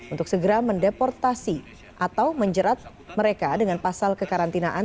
untuk segera mendeportasi atau menjerat mereka dengan pasal kekarantinaan